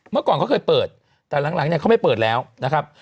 เมื่อก่อนเขาเคยเปิดแต่หลังเนี่ยเขาไม่เปิดแล้วนะครับ